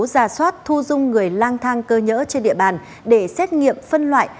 giả soát thu dung người lang thang cơ nhỡ trên địa bàn để xét nghiệm phân loại